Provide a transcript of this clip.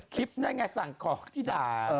คลิปนั่งไงสั่งของที่ด่า